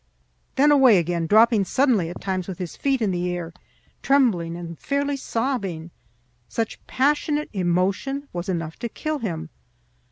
Then away again, dropping suddenly at times with his feet in the air, trembling and fairly sobbing. Such passionate emotion was enough to kill him.